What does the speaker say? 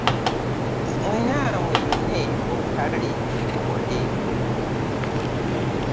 Mwenna mweyune obutale mukole.